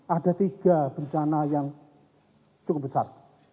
ada tiga bencana yang cukup besar